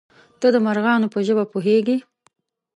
_ته د مرغانو په ژبه پوهېږې؟